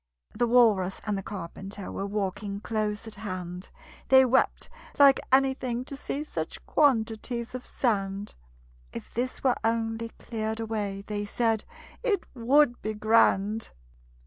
The Walrus and the Carpenter Were walking close at hand; They wept like anything to see Such quantities of sand: "If this were only cleared away," They said, "It would be grand!"